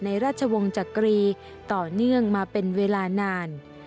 ราชวงศ์จักรีต่อเนื่องมาเป็นเวลานาน